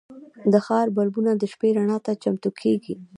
د ښار بلبونه د شپې رڼا ته چمتو کېږي.